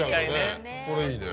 これいいね。